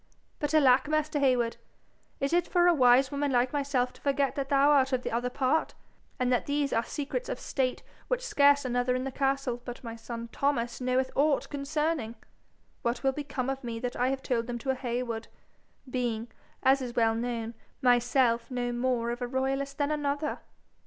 But alack, master Heywood! is it for a wise woman like myself to forget that thou art of the other part, and that these are secrets of state which scarce another in the castle but my son Thomas knoweth aught concerning! What will become of me that I have told them to a Heywood, being, as is well known, myself no more of a royalist than another?'